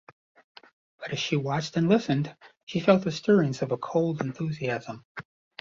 But as she watched and listened, she felt the stirrings of a cold enthusiasm.